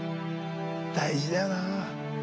大事だよなあ。